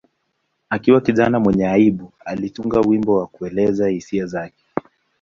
Akiwa kijana mwenye aibu, alitunga wimbo wa kuelezea hisia zake.